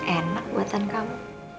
enak buatan kamu